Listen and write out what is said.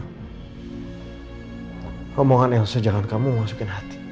ngomongan elsa jangan kamu masukin hati